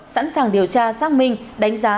sẵn sàng điều tra xác minh đánh giá